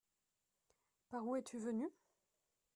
Par où es-tu venu ?